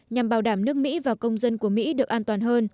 nhằm bảo đảm nước mỹ và công dân của mỹ được an toàn hơn